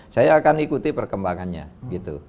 saya akan ikuti perkembangannya gitu